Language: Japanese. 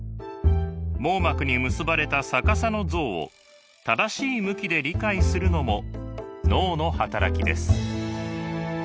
網膜に結ばれた逆さの像を正しい向きで理解するのも脳の働きです。